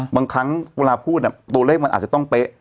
บางครั้งเวลาพูดตัวเลขมันอาจจะต้องเป๊ะ